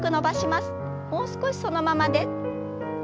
もう少しそのままで。